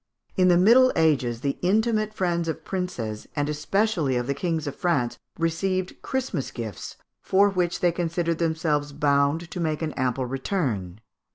In the Middle Ages the intimate friends of princes, and especially of the kings of France, received Christmas gifts, for which they considered themselves bound to make an ample return.